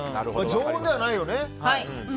常温ではないよね。